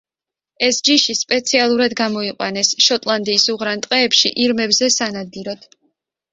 ეს ჯიში სპეციალურად გამოიყვანეს შოტლანდიის უღრან ტყეებში ირმებზე სანადიროდ.